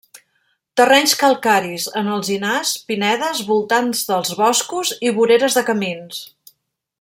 Terrenys calcaris, en alzinars, pinedes, voltants dels boscos i voreres de camins.